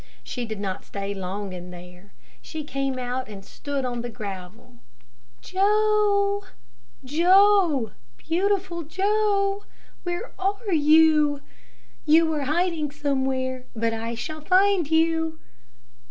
She did not stay long in there. She came out and stood on the gravel. "Joe, Joe, Beautiful Joe, where are you? You are hiding somewhere, but I shall find you."